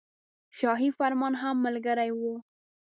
شاهي فرمان هم ملګری وو.